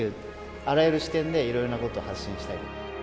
あらゆる視点でいろいろなことを発信したいと。